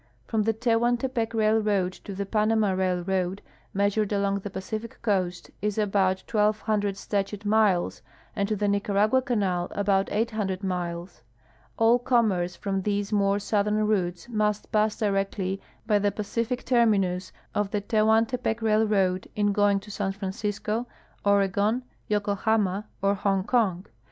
From the Tehuantepec railroad to the Panama railroad, meas ured along the Pacific coast, is al)out 1,200 statute miles, and to the Nicaragua canal aljout 800 miles. All commerce from these more southern routes must pass directly by the Pacific terminus of the Tehuantepec railroad in going to San Francisco, Oregon, Yokohama, or Hongkong.